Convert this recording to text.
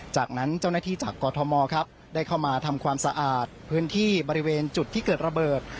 จากนั้นเจ้าหน้าที่จากกอทมครับได้เข้ามาทำความสะอาดพื้นที่บริเวณจุดที่เกิดระเบิด